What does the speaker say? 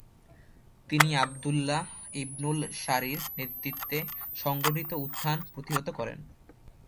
তিনি Abdullah ibnul Sarir নেতৃত্বে সংঘটিত উত্থান প্রতিহত করেন।